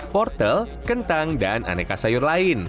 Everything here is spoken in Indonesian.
portel kentang dan aneka sayur lain